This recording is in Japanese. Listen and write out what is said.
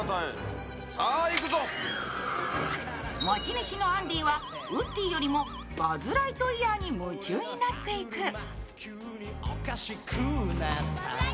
持ち主のアンディはウッディよりもバズ・ライトイヤーに夢中になっていく。